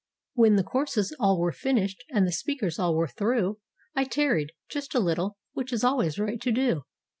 When the courses all were finished and the speakers all were through I tarried, just a little, which is always right to do.